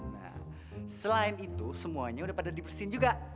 nah selain itu semuanya udah pada dibersihin juga